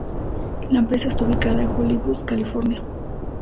La empresa está ubicada en Hollywood, California.